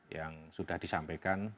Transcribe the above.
yang sudah disampaikan